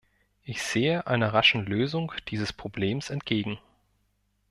Ich sehe einer raschen Lösung dieses Problems entgegen.